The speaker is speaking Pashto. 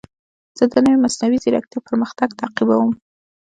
زه د نوې مصنوعي ځیرکتیا پرمختګ تعقیبوم.